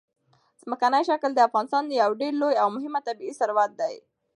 ځمکنی شکل د افغانستان یو ډېر لوی او مهم طبعي ثروت دی.